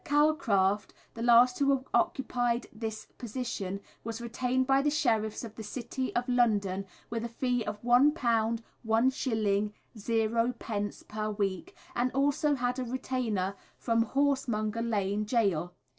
Calcraft, the last who occupied this position, was retained by the Sheriffs of the City of London, with a fee of £1 1s. 0d. per week, and also had a retainer from Horsemonger Lane Gaol.